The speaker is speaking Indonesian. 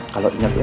kalau inget ya